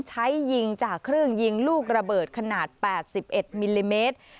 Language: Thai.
ใช้ยิงจากเครื่องยิงลูกระเบิดขนาด๘๑มิลลิเมตร